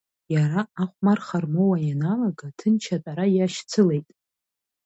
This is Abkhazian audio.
Иара, ахәмарха рмоуа ианалага, ҭынч атәара иашьцылеит.